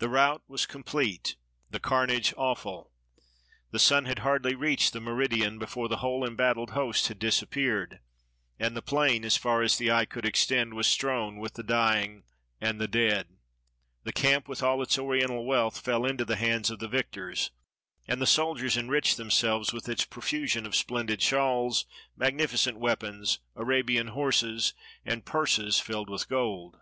The rout was complete, the carnage awful. The sun had hardly reached the meridian before the whole embattled host had disappeared, and the plain, as far as the eye could extend, was strewn with the dying and the dead. The camp, with all its Oriental wealth, fell into the hands of the victors, and the sol diers enriched themselves with its profusion of splendid shawls, magnificent weapons, Arabian horses, and purses filled with gold.